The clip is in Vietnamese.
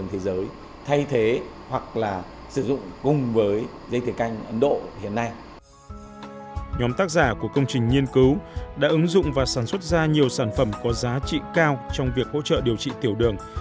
nhóm tác giả của công trình nghiên cứu đã ứng dụng và sản xuất ra nhiều sản phẩm có giá trị cao trong việc hỗ trợ điều trị tiểu đường